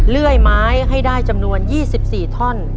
เลื่อยไม้ให้ได้จำนวน๒๔ท่อน